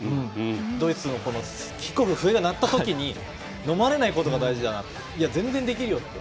ドイツにキックオフの笛が鳴った時に、のまれないことが大事だなと、全然できるよって。